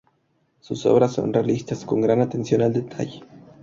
Sus obras son realistas, con gran atención al detalle.